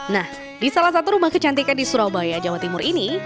nah di salah satu rumah kecantikan di surabaya jawa timur ini